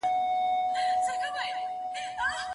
کله لس کله پنځلس کله شل وي